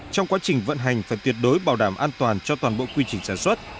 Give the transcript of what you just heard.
trong quá trình vận hành phải tuyệt đối bảo đảm an toàn cho toàn bộ quy trình sản xuất